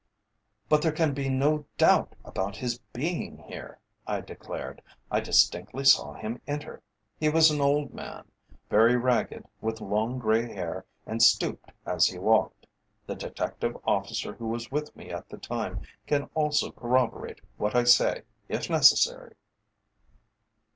"But there can be no doubt about his being here," I declared; "I distinctly saw him enter. He was an old man, very ragged, with long grey hair, and stooped as he walked. The detective officer who was with me at the time can also corroborate what I say, if necessary."